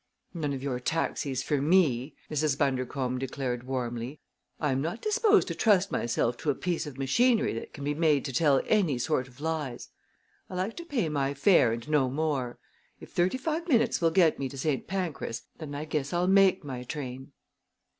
"None of your taxis for me!" Mrs. Bundercombe declared warmly. "I am not disposed to trust myself to a piece of machinery that can be made to tell any sort of lies. I like to pay my fare and no more. If thirty five minutes will get me to St. Pancras, then I guess I'll make my train."